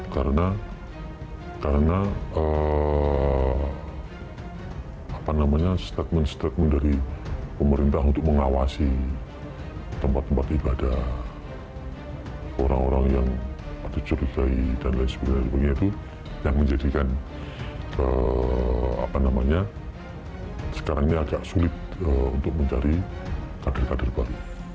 karena karena apa namanya statement statement dari pemerintah untuk mengawasi tempat tempat ibadah orang orang yang ada curigai dan lain sebagainya itu yang menjadikan apa namanya sekarang ini agak sulit untuk mencari kader kader baru